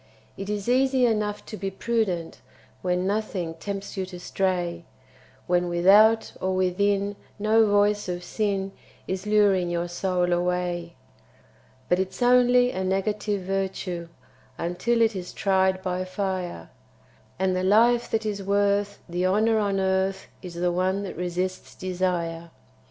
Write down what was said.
It is easy enough to be prudent When nothing tempts you to stray, When without or within no voice of sin Is luring your soul away; But it's only a negative virtue Until it is tried by fire, And the life that is worth the honour on earth Is the one that resists desire.